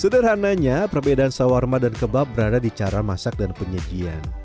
sederhananya perbedaan sawarma dan kebab berada di cara masak dan penyajian